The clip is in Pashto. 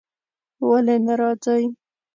ولی نه راځی ؟